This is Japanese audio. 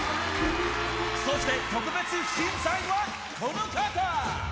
そして特別審査員はこの方。